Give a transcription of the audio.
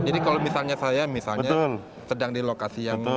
jadi kalau misalnya saya misalnya